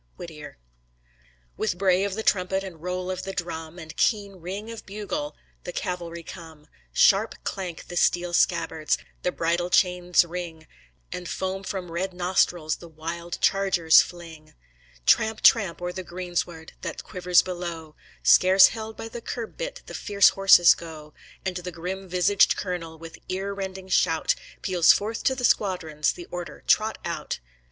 Whittier With bray of the trumpet, And roll of the drum, And keen ring of bugle The cavalry come: Sharp clank the steel scabbards, The bridle chains ring, And foam from red nostrils The wild chargers fling! Tramp, tramp o'er the greensward That quivers below, Scarce held by the curb bit The fierce horses go! And the grim visaged colonel, With ear rending shout, Peals forth to the squadrons The order, "Trot Out"!